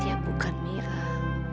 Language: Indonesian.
dia bukan anissa